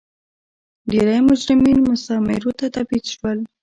ډېری مجرمین مستعمرو ته تبعید شول.